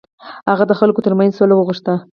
هغه د خلکو تر منځ سوله وغوښته.